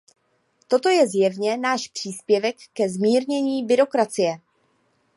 Toto je zjevně náš příspěvek ke zmírnění byrokracie.